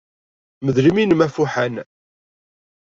Mdel imi-nnem afuḥan.